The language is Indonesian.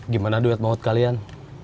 gimana duet maut kalian